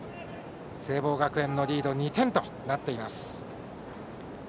聖望学園のリード２点となっています。